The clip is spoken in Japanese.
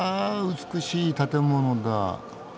美しい建物だ。